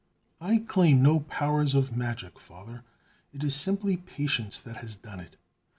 "I claim no powers of magic, Father; it is simply patience that has done it!"